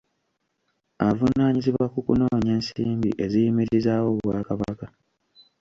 Avunaanyizibwa ku kunoonya ensimbi eziyimirizaawo Obwakabaka.